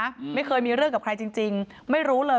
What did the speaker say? ครับอืมแล้วมันถือเหม็นมากเลยนะคะแสดงว่าเขามาถือทุกวันเลย